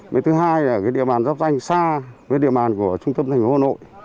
mới thứ hai là cái địa bàn giáp danh xa với địa bàn của trung tâm thành phố hồ nội